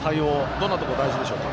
どんなところが大事でしょうか。